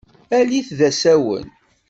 Alit d asawen.